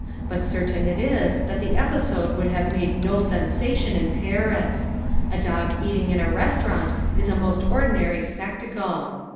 But certain it is that the episode would have made no sensation in Paris. A dog eating in a restaurant is a most ordinary spectacle.